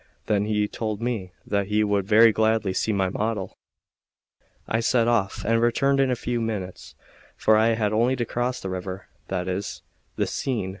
Then he told me that he would very gladly see my model. I set off, and returned in a few minutes; for I had only to cross the river, that is, the Seine.